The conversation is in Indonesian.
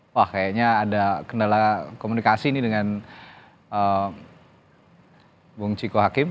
wah kayaknya ada kendala komunikasi nih dengan bung ciko hakim